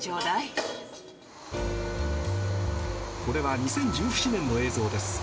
これは２０１７年の映像です。